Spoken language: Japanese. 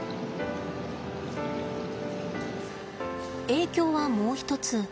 影響はもう一つ。